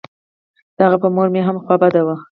د هغه په مور مې هم خوا بده وه.